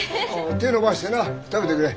手ぇ伸ばしてな食べてくれ。